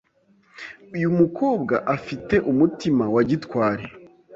Uyu mukobwa afi te umutima wa gitwari,